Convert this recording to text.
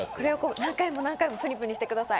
何回も何回もぷにぷにしてください。